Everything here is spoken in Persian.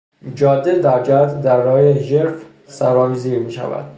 جاده در جهت درههای ژرف سرازیر میشود.